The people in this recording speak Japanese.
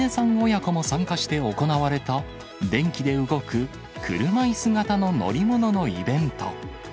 親子も参加して行われた、電気で動く車いす型の乗り物のイベント。